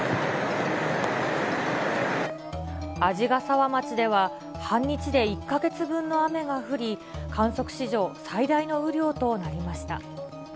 鯵ヶ沢町では、半日で１か月分の雨が降り、観測史上最大の雨量となりました。